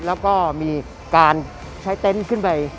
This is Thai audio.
แล้วก็มีการใช้เต็นต์ขึ้นไป